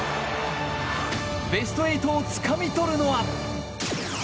ベスト８をつかみ取るのは？